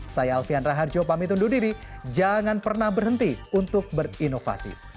saya alfian raharjo pamit undur diri jangan pernah berhenti untuk berinovasi